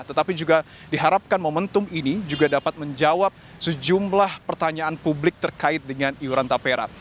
tetapi juga diharapkan momentum ini juga dapat menjawab sejumlah pertanyaan publik terkait dengan iuran tapera